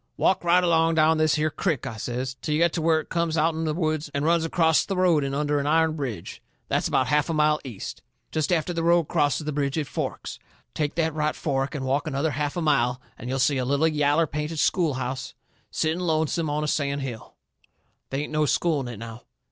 "Walk right along down this here crick," I says, "till you get to where it comes out'n the woods and runs acrost the road in under an iron bridge. That's about a half a mile east. Jest after the road crosses the bridge it forks. Take the right fork and walk another half a mile and you'll see a little yaller painted schoolhouse setting lonesome on a sand hill. They ain't no school in it now.